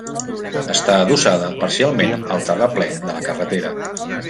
Està adossada parcialment al terraplè de la carretera.